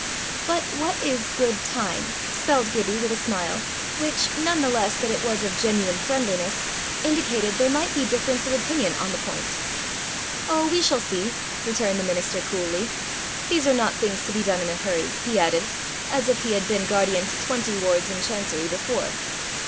"But what is good time?" spelled Gibbie with a smile, which, none the less that it was of genuine friendliness, indicated there might be difference of opinion on the point. "Oh! we shall see," returned the minister coolly. "These are not things to be done in a hurry," he added, as if he had been guardian to twenty wards in chancery before.